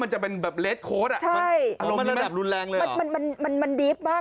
คือมันเป็นรหัสที่แบบ